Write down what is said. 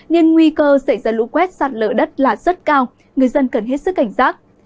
nên nguy cơ xảy ra lũ quét sạt lở đất là rất cao người dân cần hết sức cảnh giác